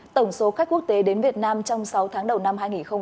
tổng số khách quốc tế đến việt nam trong sáu tháng đầu năm hai nghìn một mươi chín